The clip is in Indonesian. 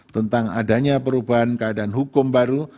tentang adanya perubahan keadaan hukum baru